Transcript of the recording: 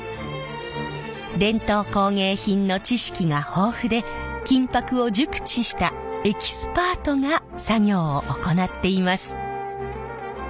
伝統工芸品の知識が豊富で金箔を熟知したエキスパートが作業を行っています。